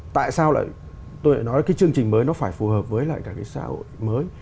tại sao lại tôi đã nói là cái chương trình mới nó phải phù hợp với lại cả cái xã hội mới